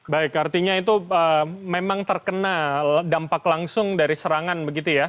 baik artinya itu memang terkena dampak langsung dari serangan begitu ya